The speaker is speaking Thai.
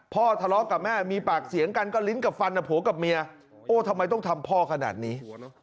พ่อทะเลาะกับแม่มีปากเสียงกันก็ลิ้นกับฟันกับผัวกับเมียโอ้ทำไมต้องทำพ่อขนาดนี้